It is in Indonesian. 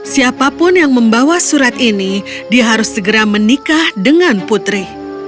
siapapun yang membawa surat ini dia harus segera menikah dengan putri